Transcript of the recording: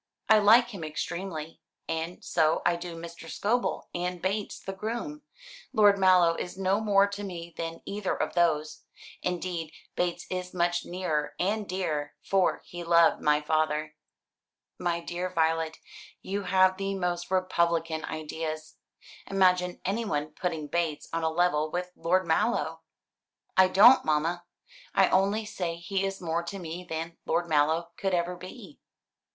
I like him extremely, and so I do Mr. Scobel, and Bates the groom. Lord Mallow is no more to me than either of those. Indeed, Bates is much nearer and dearer, for he loved my father." "My dear Violet, you have the most republican ideas. Imagine anyone putting Bates on a level with Lord Mallow!" "I don't, mamma. I only say he is more to me than Lord Mallow could ever be."